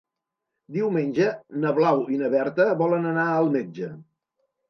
Diumenge na Blau i na Berta volen anar al metge.